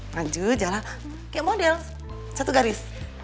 maju jalan kayak model satu garis